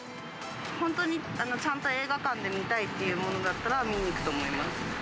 本当にちゃんと映画館で見たいっていうものだったら、見に行くと思います。